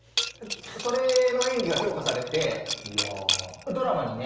それの演技が評価されてドラマにね？